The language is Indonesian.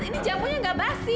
ini jamunya gak basi